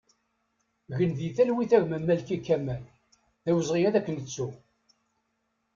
Gen di talwit a gma Malki Kamal, d awezɣi ad k-nettu!